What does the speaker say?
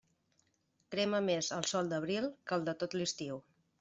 Crema més el sol d'abril que el de tot l'estiu.